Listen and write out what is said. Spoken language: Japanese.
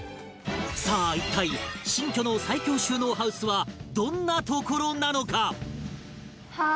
さあ一体新居の最強収納ハウスはどんな所なのか？